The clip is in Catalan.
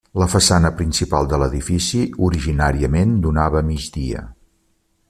La façana principal de l'edifici originàriament donava a migdia.